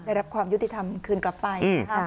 ได้รับความยุติธรรมคืนกลับไปนะคะ